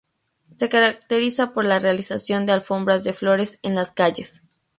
Se caracteriza por la realización de alfombras de flores en las calles.